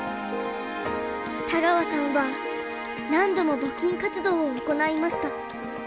田川さんは何度も募金活動を行いました。